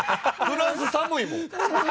フランス寒いもん。